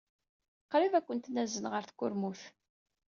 Qrib ad ken-nazen ɣer tkurmut.